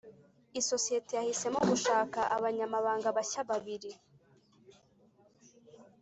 isosiyete yahisemo gushaka abanyamabanga bashya babiri.